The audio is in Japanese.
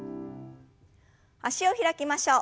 脚を開きましょう。